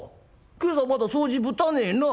今朝まだ掃除ぶたねえな？」。